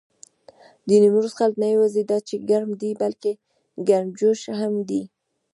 د نيمروز خلک نه یواځې دا چې ګرم دي، بلکې ګرمجوش هم دي.